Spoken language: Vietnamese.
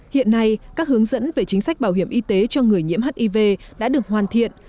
hiện nay các hướng dẫn về chính sách bảo hiểm y tế cho người nhiễm hiv đã được hoàn thiện